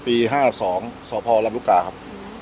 ปีห้าสองสอบพอรับลูกการ์ครับ